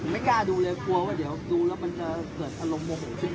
ตอนนี้กำหนังไปคุยของผู้สาวว่ามีคนละตบ